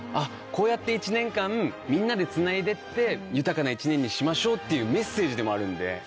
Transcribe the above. こうやって一年間みんなでつないでって豊かな一年にしましょうっていうメッセージでもあるんで。